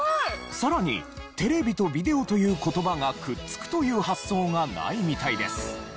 さらに「テレビ」と「ビデオ」という言葉がくっつくという発想がないみたいです。